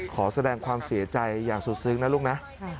ขอแสดงความเสียใจอย่างสุดซึ้งนะลูกนะ